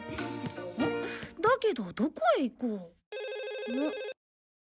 だけどどこへ行こう。